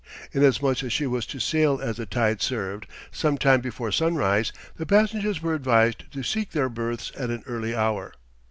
Inasmuch as she was to sail as the tide served, some time before sunrise, the passengers were advised to seek their berths at an early hour.